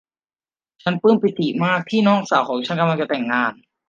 ฉันปลื้มปิติมากที่น้องสาวของฉันกำลังจะแต่งงาน